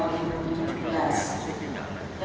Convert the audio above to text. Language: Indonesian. tentu saya mengucapkan